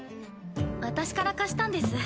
私から貸したんです。